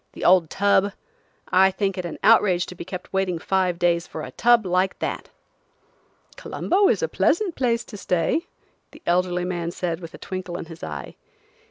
"The old tub! I think it an outrage to be kept waiting five days for a tub like that." "Colombo is a pleasant place to stay," the elderly man said with a twinkle in his eye.